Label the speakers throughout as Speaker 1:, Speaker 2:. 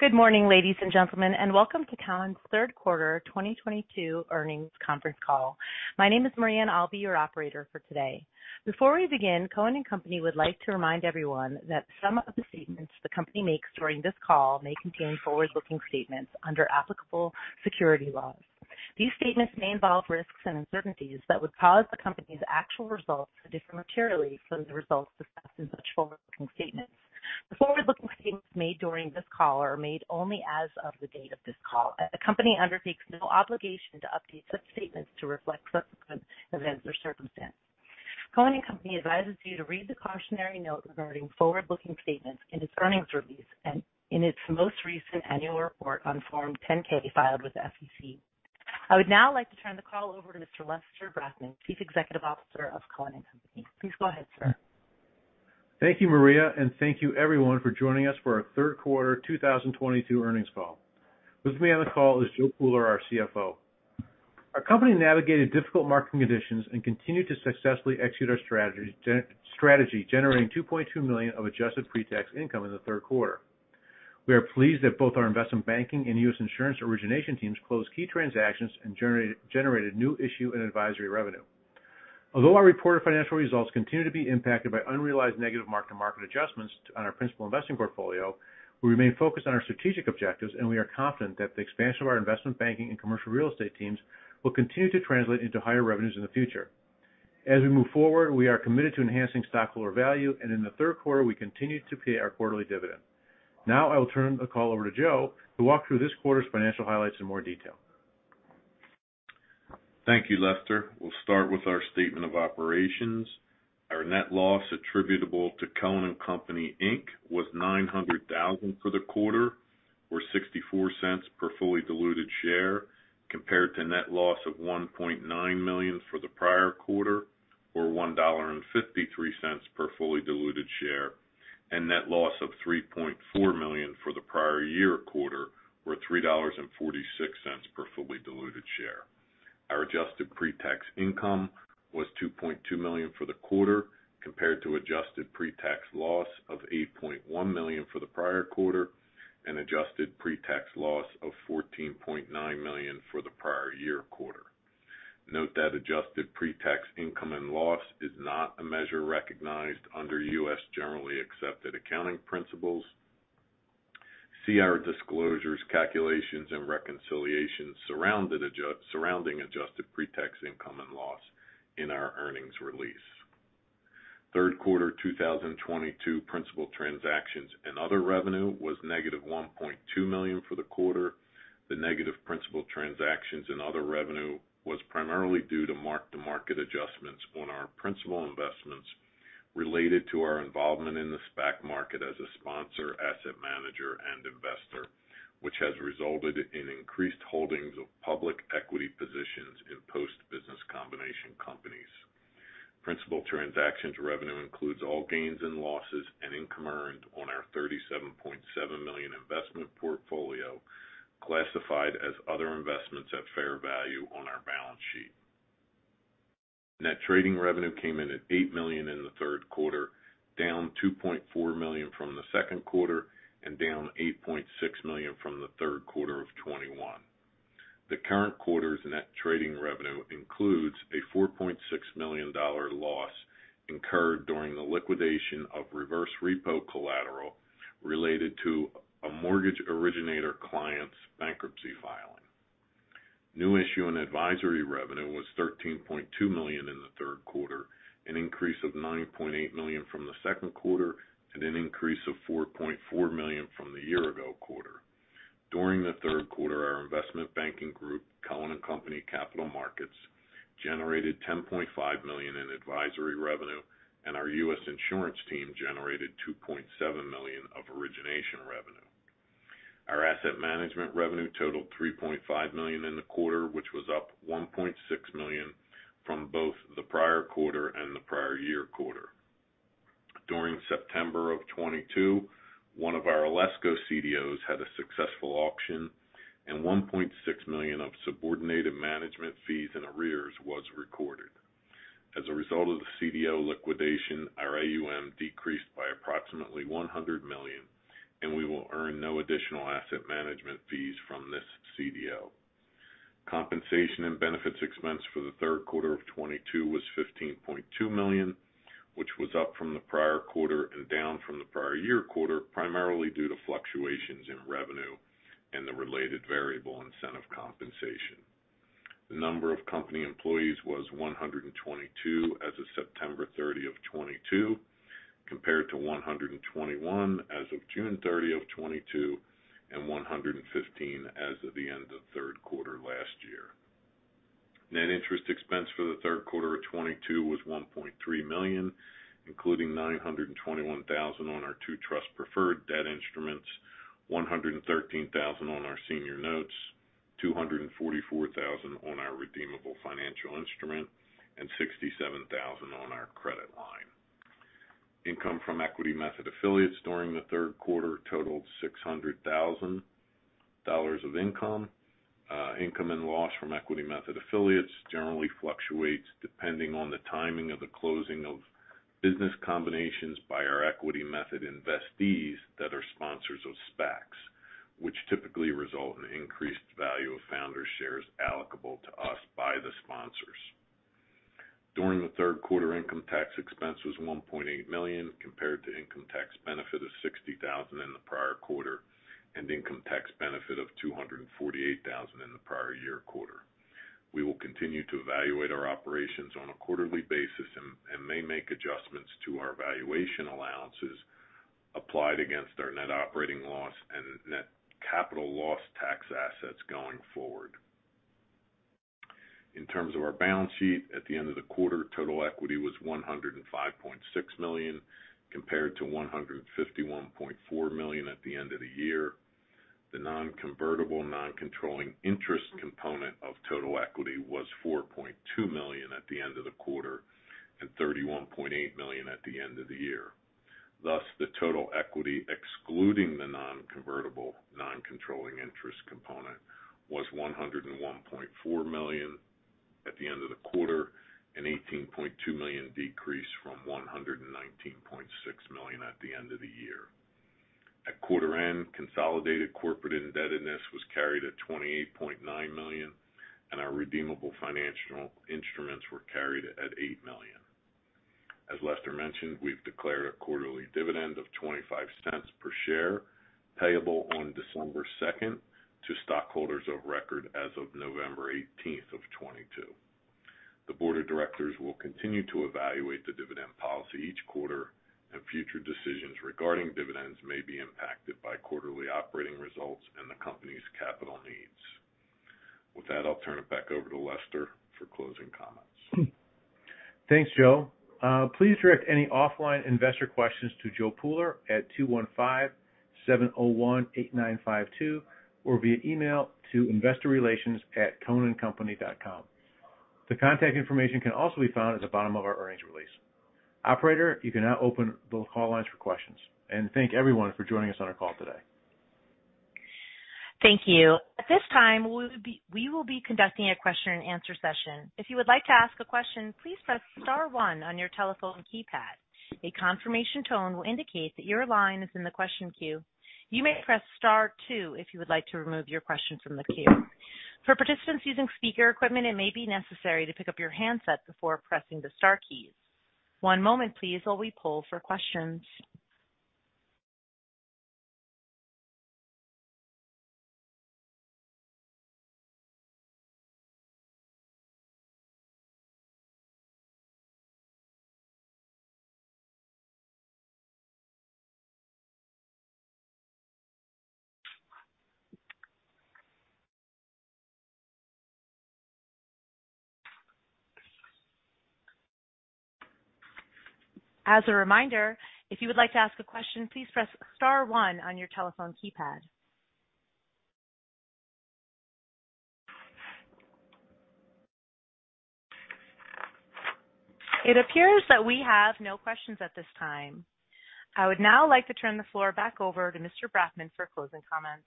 Speaker 1: Good morning, ladies and gentlemen, and welcome to Cohen & Company's third quarter 2022 earnings conference call. My name is Maria, and I'll be your operator for today. Before we begin, Cohen & Company would like to remind everyone that some of the statements the company makes during this call may contain forward-looking statements under applicable securities laws. These statements may involve risks and uncertainties that would cause the company's actual results to differ materially from the results discussed in such forward-looking statements. The forward-looking statements made during this call are made only as of the date of this call. The company undertakes no obligation to update such statements to reflect subsequent events or circumstances. Cohen & Company advises you to read the cautionary note regarding forward-looking statements in its earnings release and in its most recent annual report on Form 10-K filed with the SEC. I would now like to turn the call over to Mr. Lester Brafman, Chief Executive Officer of Cohen & Company. Please go ahead, sir.
Speaker 2: Thank you, Maria, and thank you everyone for joining us for our third quarter 2022 earnings call. With me on the call is Joe Pooler, our CFO. Our company navigated difficult marketing conditions and continued to successfully execute our strategy, generating $2.2 million of adjusted pre-tax income in the third quarter. We are pleased that both our investment banking and U.S. insurance origination teams closed key transactions and generated new issue and advisory revenue. Although our reported financial results continue to be impacted by unrealized negative mark-to-market adjustments on our principal investing portfolio, we remain focused on our strategic objectives, and we are confident that the expansion of our investment banking and commercial real estate teams will continue to translate into higher revenues in the future. As we move forward, we are committed to enhancing stockholder value, and in the third quarter, we continued to pay our quarterly dividend. Now I will turn the call over to Joe to walk through this quarter's financial highlights in more detail.
Speaker 3: Thank you, Lester. We'll start with our statement of operations. Our net loss attributable to Cohen & Company Inc was $900,000 for the quarter, or $0.64 per fully diluted share, compared to net loss of $1.9 million for the prior quarter, or $1.53 per fully diluted share, and net loss of $3.4 million for the prior year quarter, or $3.46 per fully diluted share. Our adjusted pre-tax income was $2.2 million for the quarter, compared to adjusted pre-tax loss of $8.1 million for the prior quarter and adjusted pre-tax loss of $14.9 million for the prior year quarter. Note that adjusted pre-tax income and loss is not a measure recognized under U.S. generally accepted accounting principles. See our disclosures, calculations, and reconciliations surrounding adjusted pre-tax income and loss in our earnings release. Third quarter 2022 principal transactions and other revenue was -$1.2 million for the quarter. The negative principal transactions and other revenue was primarily due to mark-to-market adjustments on our principal investments related to our involvement in the SPAC market as a sponsor, asset manager, and investor, which has resulted in increased holdings of public equity positions in post business combination companies. Principal transactions revenue includes all gains and losses and income earned on our $37.7 million investment portfolio, classified as other investments at fair value on our balance sheet. Net trading revenue came in at $8 million in the third quarter, down $2.4 million from the second quarter and down $8.6 million from the third quarter of 2021. The current quarter's net trading revenue includes a $4.6 million loss incurred during the liquidation of reverse repo collateral related to a mortgage originator client's bankruptcy filing. New issue and advisory revenue was $13.2 million in the third quarter, an increase of $9.8 million from the second quarter, and an increase of $4.4 million from the year-ago quarter. During the third quarter, our investment banking group, Cohen & Company Capital Markets, generated $10.5 million in advisory revenue, and our U.S. insurance team generated $2.7 million of origination revenue. Our asset management revenue totaled $3.5 million in the quarter, which was up $1.6 million from both the prior quarter and the prior year quarter. During September 2022, one of our Alesco CDOs had a successful auction, and $1.6 million of subordinated management fees in arrears was recorded. As a result of the CDO liquidation, our AUM decreased by approximately $100 million, and we will earn no additional asset management fees from this CDO. Compensation and benefits expense for the third quarter 2022 was $15.2 million, which was up from the prior quarter and down from the prior year quarter, primarily due to fluctuations in revenue and the related variable incentive compensation. The number of company employees was 122 as of September 30, 2022, compared to 121 as of June 30, 2022 and 115 as of the end of third quarter last year. Net interest expense for the third quarter of 2022 was $1.3 million, including $921,000 on our two trust preferred debt instruments, $113,000 on our senior notes, $244,000 on our redeemable financial instrument, and $67,000 on our credit line. Income from equity method affiliates during the third quarter totaled $600,000 of income. Income and loss from equity method affiliates generally fluctuates depending on the timing of the closing of business combinations by our equity method investees that are sponsors of SPACs, which typically result in increased value of founder shares applicable to us by the sponsors. During the third quarter, income tax expense was $1.8 million, compared to income tax benefit of $60 thousand in the prior quarter and income tax benefit of $248,000 in the prior year quarter. We will continue to evaluate our operations on a quarterly basis and may make adjustments to our valuation allowances applied against our net operating loss and net capital loss tax assets going forward. In terms of our balance sheet, at the end of the quarter, total equity was $105.6 million, compared to $151.4 million at the end of the year. The non-convertible non-controlling interest component of total equity was $4.2 million at the end of the quarter and $31.8 million at the end of the year. Thus, the total equity, excluding the non-convertible non-controlling interest component, was $101.4 million at the end of the quarter, an $18.2 million decrease from $119.6 million at the end of the year. At quarter end, consolidated corporate indebtedness was carried at $28.9 million, and our redeemable financial instruments were carried at $8 million. As Lester mentioned, we've declared a quarterly dividend of $0.25 per share payable on December 2nd to stockholders of record as of November 18th of 2022. The board of directors will continue to evaluate the dividend policy each quarter, and future decisions regarding dividends may be impacted by quarterly operating results and the company's capital needs. With that, I'll turn it back over to Lester for closing comments.
Speaker 2: Thanks, Joe. Please direct any offline investor questions to Joe Pooler at 215-701-8952 or via email to investorrelations@cohenandcompany.com. The contact information can also be found at the bottom of our earnings release. Operator, you can now open the call lines for questions. Thank everyone for joining us on our call today.
Speaker 1: Thank you. At this time, we will be conducting a question and answer session. If you would like to ask a question, please press star one on your telephone keypad. A confirmation tone will indicate that your line is in the question queue. You may press star two if you would like to remove your question from the queue. For participants using speaker equipment, it may be necessary to pick up your handset before pressing the star keys. One moment please while we poll for questions. As a reminder, if you would like to ask a question, please press star one on your telephone keypad. It appears that we have no questions at this time. I would now like to turn the floor back over to Mr. Brafman for closing comments.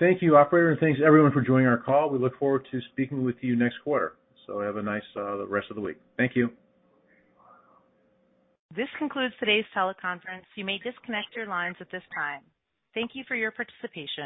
Speaker 2: Thank you, operator, and thanks everyone for joining our call. We look forward to speaking with you next quarter. Have a nice rest of the week. Thank you.
Speaker 1: This concludes today's teleconference. You may disconnect your lines at this time. Thank you for your participation.